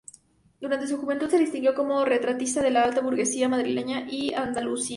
Durante su juventud se distinguió como retratista de la alta burguesía madrileña y andaluza.